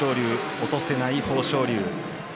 落とせない豊昇龍。